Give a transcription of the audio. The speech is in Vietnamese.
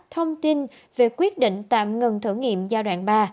thông tin về quyết định tạm ngừng thử nghiệm giai đoạn ba